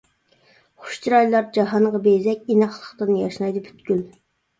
خۇش چىرايلار جاھانغا بېزەك، ئىناقلىقتىن ياشنايدۇ پۈتكۈل.